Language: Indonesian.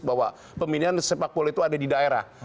bahwa pemilihan sepak bola itu ada di daerah